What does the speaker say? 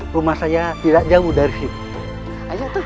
rumah saya tidak jauh dari situ